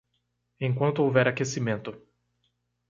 Enquanto houver aquecimento